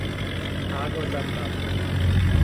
Águas da Prata